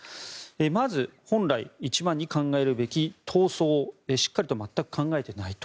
まず、本来一番に考えるべき逃走をしっかりと全く考えていないと。